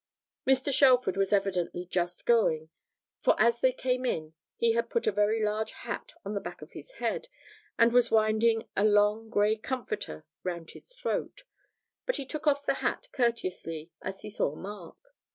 Mr. Shelford was evidently just going, for as they came in he had put a very large hat on the back of his head, and was winding a long grey comforter round his throat; but he took off the hat courteously as he saw Mark.